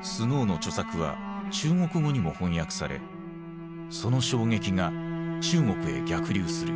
スノーの著作は中国語にも翻訳されその衝撃が中国へ逆流する。